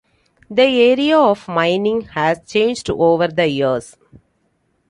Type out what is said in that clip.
The area of mining has changed over the years.